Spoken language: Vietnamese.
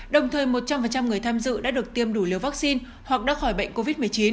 đồng thời một trăm linh người tham dự đã được tiêm đủ liều vaccine hoặc đã khỏi bệnh covid một mươi chín